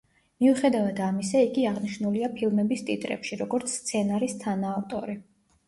მიუხედავად ამისა, იგი აღნიშნულია ფილმების ტიტრებში, როგორც სცენარის თანაავტორი.